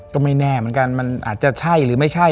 ก็ไม่แน่เหมือนกันมันอาจจะใช่หรือไม่ใช่